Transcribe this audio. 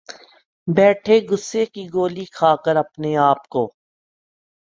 بیٹھے غصے کی گولی کھا کر اپنے آپ کو